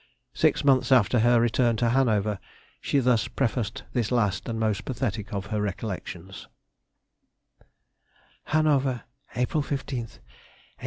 Six months after her return to Hanover she thus prefaced this last and most pathetic of her Recollections:— HANOVER, April 15th, 1823.